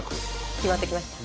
決まってきましたか？